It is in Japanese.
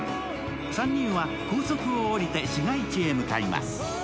３人は高速を下りて市街地へ向かいます。